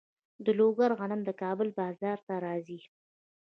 د لوګر غنم د کابل بازار ته راځي.